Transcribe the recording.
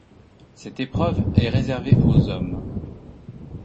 Cette épreuve est réservée aux hommes.